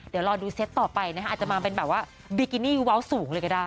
เดี๋ยวรอดูเซตต่อไปนะคะอาจจะมาเป็นแบบว่าบิกินี่เว้าสูงเลยก็ได้